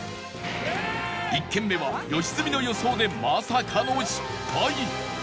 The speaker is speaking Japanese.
１軒目は良純の予想でまさかの失敗